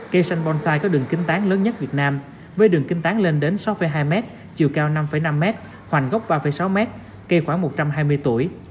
cây xanh bonsai có đường kính tán lớn nhất việt nam với đường kinh tán lên đến sáu hai m chiều cao năm năm m hoành gốc ba sáu m cây khoảng một trăm hai mươi tuổi